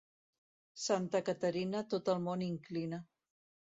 Santa Caterina tot el món inclina.